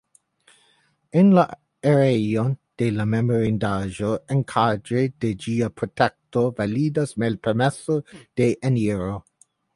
En la areon de la memorindaĵo enkadre de ĝia protekto validas malpermeso de eniro.